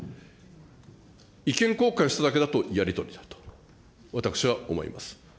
意見交換しただけだとやり取りだと、私は思います。